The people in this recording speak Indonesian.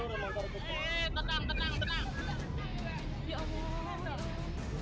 eh tenang tenang tenang